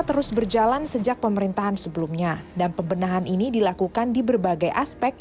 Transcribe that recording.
terus berjalan sejak pemerintahan sebelumnya dan pembenahan ini dilakukan di berbagai aspek